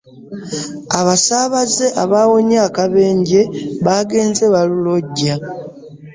Abasaabaze abaawonye akabenje baagenze balulojja.